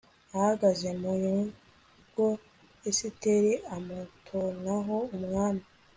ahagaze mu rugo esiteri amutonaho umwami